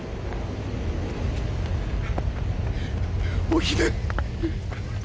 おひで。